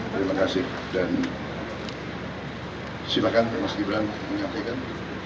terima kasih dan silakan mas gibran menyampaikan